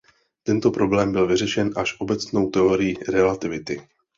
Tento problém byl vyřešen až obecnou teorií relativity.